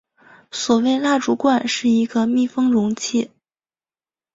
所谓蜡烛罐是一个密封容器。